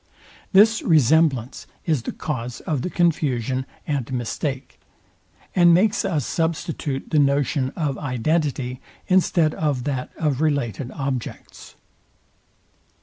This resemblance is the cause of the confusion and mistake, and makes us substitute the notion of identity, instead of that of related objects.